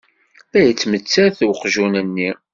La yettmettat uqjun-nni.